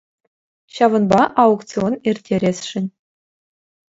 Ҫавӑнпа аукцион ирттересшӗн.